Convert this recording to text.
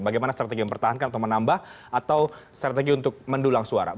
bagaimana strategi mempertahankan atau menambah atau strategi untuk mendulang suara